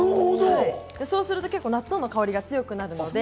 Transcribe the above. そうすると納豆の香りが強くなるので。